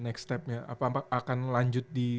next step nya apa akan lanjut di